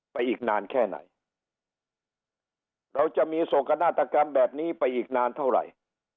อีกนานแค่ไหนเราจะมีโศกนาฏกรรมแบบนี้ไปอีกนานเท่าไหร่